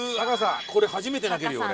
これ初めて投げるよ俺。